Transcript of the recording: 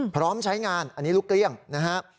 พร้อมใช้งานอันนี้ลูกเกลี้ยงนะครับ